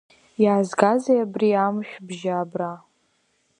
Иаазгазеи абри амшә-бжьа абра?